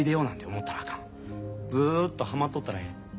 ずっとハマっとったらええ。